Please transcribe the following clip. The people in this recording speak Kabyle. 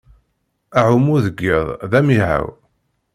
Aɛummu deg iḍ d amihaw.